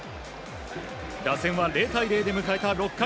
打線は０対０で迎えた６回。